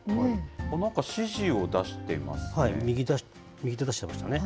なんか指示を出してますね。